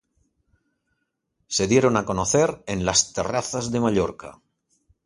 Se dieron a conocer en las terrazas de Mallorca.